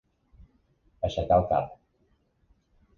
Aixecar el cap.